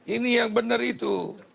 ini yang benar itu